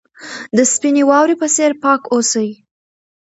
د سپینې واورې په څېر پاک اوسئ.